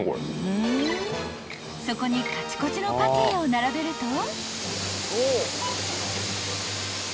［そこにカチコチのパティを並べると］